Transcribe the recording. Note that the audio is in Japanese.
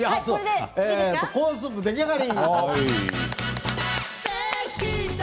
コーンスープ出来上がり。